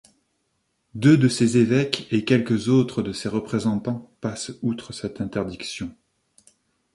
Deux de ses évêques et quelques autres de ses représentants passent outre cette interdiction.